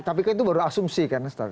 tapi kan itu baru asumsi kan ustadz ya